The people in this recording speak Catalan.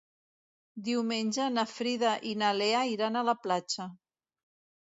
Diumenge na Frida i na Lea iran a la platja.